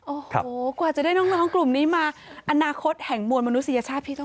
โอ้โหกว่าจะได้น้องกลุ่มนี้มาอนาคตแห่งมวลมนุษยชาติพี่ต้อง